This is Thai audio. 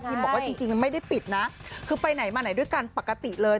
บอกว่าจริงมันไม่ได้ปิดนะคือไปไหนมาไหนด้วยกันปกติเลย